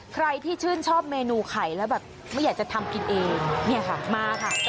ใครที่ชื่นชอบเมนูไข่แล้วแบบไม่อยากจะทำกินเองเนี่ยค่ะมาค่ะ